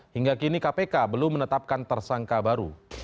hingga kini kpk belum menetapkan tersangka baru